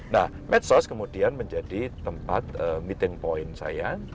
nah medsos kemudian menjadi tempat meeting point saya